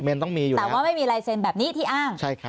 เมนท์ต้องมีอยู่แล้วใช่ครับแต่ว่าไม่มีไลเซนแบบนี้ที่อ้าง